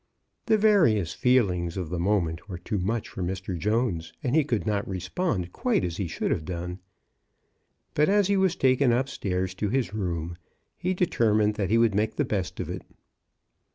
The various feelings of the moment were too much for Mr. Jones, and he could not respond quite as he should have done. But as he was taken up stairs to his room, he determined that he would make the best of it.